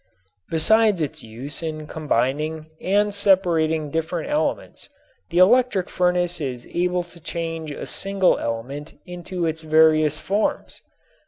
Besides its use in combining and separating different elements the electric furnace is able to change a single element into its various forms.